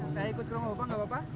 saya ikut ke rumah bapak nggak apa apa